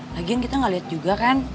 lagian kita gak liat juga kan